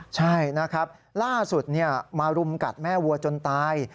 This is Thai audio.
ใช่นะครับล่าสุดมารุมกัดแม่วัวจนตาย